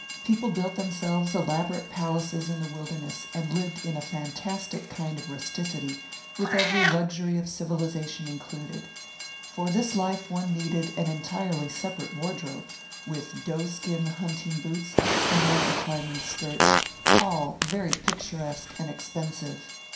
People built themselves elaborate palaces in the wilderness, and lived in a fantastic kind of rusticity, with every luxury of civilisation included. For this life one needed an entirely separate wardrobe, with doeskin hunting boots and mountain climbing skirts all very picturesque and expensive.